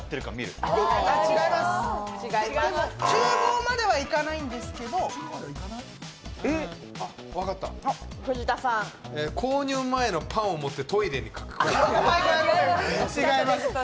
でも、ちゅう房までは行かないんですけど購入前のパンを持ってトイレに駆け込む。